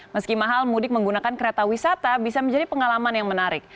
meski mahal mudik menggunakan kereta wisata bisa menjadi pengalaman yang menarik